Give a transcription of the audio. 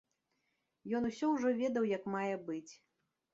Ён усё ўжо ведаў як мае быць.